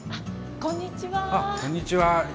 こんにちは。